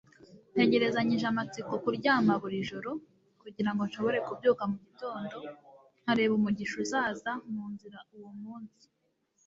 ntegerezanyije amatsiko kuryama buri joro kugirango nshobore kubyuka mugitondo nkareba umugisha uzaza munzira uwo munsi